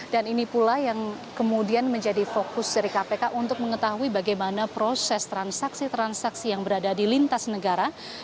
dan ini pula yang kemudian menjadi fokus dari kpk untuk mengetahui bagaimana proses transaksi transaksi yang berada di inggris